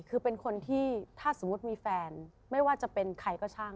คือเป็นคนที่ถ้าสมมุติมีแฟนไม่ว่าจะเป็นใครก็ช่าง